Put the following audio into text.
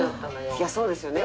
いやそうですよね。